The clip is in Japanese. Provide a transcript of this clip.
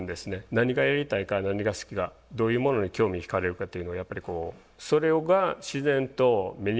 何がやりたいか何が好きかどういうものに興味惹かれるかっていうのをやっぱりこうそれが自然と身につくんで。